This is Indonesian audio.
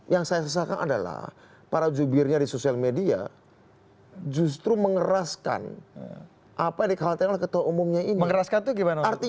yang saya sesakan adalah para jubirnya di sosial media justru mengeraskan apa yang dikhawatirkan oleh ketua umumnya ini